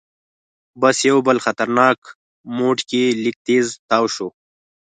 بس یو بل خطرناک موړ کې لږ تیز تاو شو.